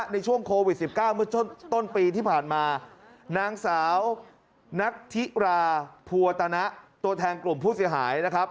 ในช่วงโควิด๑๙เมื่อต้นปีที่ผ่านมานางสาวนัทธิราภัวตนะตัวแทนกลุ่มผู้เสียหายนะครับ